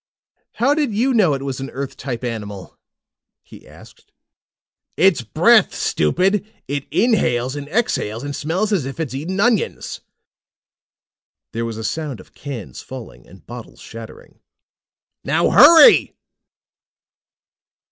"How did you know it was an Earth type animal?" he asked. "Its breath, stupid! It inhales and exhales and smells as if it's eaten onions!" There was a sound of cans falling and bottles shattering. "Now hurry!"